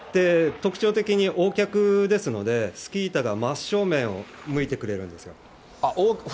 特徴的にＯ脚ですので、スキー板が真正面を向いてくれるんですよ。